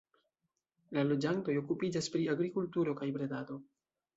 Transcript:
La loĝantoj okupiĝas pri agrikulturo kaj bredado.